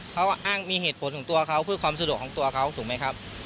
เขาอ้างมีเหตุผลของตัวเขาเพื่อความสะดวกของตัวเขาถูกไหมครับ